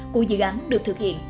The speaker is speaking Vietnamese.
của dự án được thực hiện